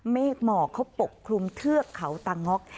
ไม่เหมาะเขาปกคลุมเทือกเขาตะงก